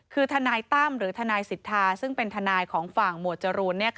คือทนายตั้มหรือทนายสิทธาซึ่งเป็นทนายของฝั่งหมวดจรูน